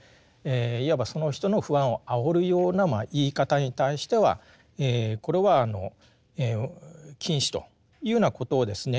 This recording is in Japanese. いわばその人の不安をあおるような言い方に対してはこれは禁止というようなことをですね